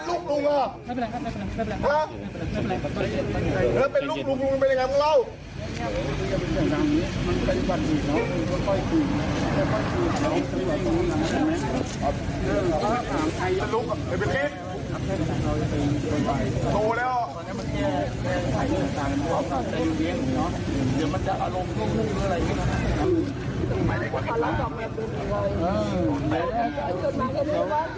เฮ้พี่เตฤทธิ์โตแล้ว